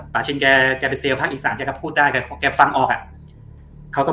ชินแกไปเซลลภาคอีสานแกก็พูดได้แกฟังออกอ่ะเขาก็